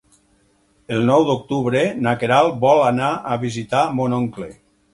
El nou d'octubre na Queralt vol anar a visitar mon oncle.